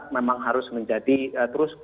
memang harus menjadi terus